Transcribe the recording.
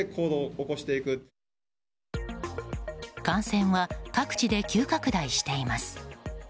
感染は各地で急拡大しています。